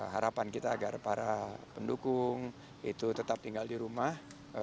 harapan kita agar para pendukung itu tetap tinggal di rumah